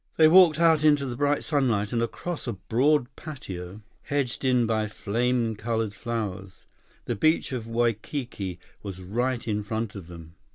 They walked out into the bright sunlight and across a broad patio, hedged in by flame colored flowers. The beach of Waikiki was right in front of them.